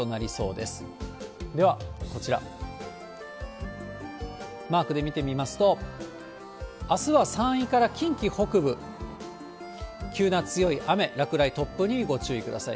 では、こちら、マークで見てみますと、あすは山陰から近畿北部、急な強い雨、落雷、突風にご注意ください。